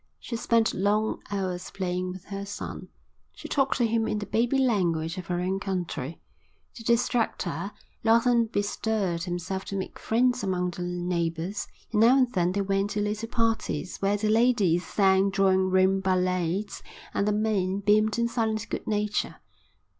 She spent long hours playing with her son. She talked to him in the baby language of her own country. To distract her, Lawson bestirred himself to make friends among the neighbours, and now and then they went to little parties where the ladies sang drawing room ballads and the men beamed in silent good nature.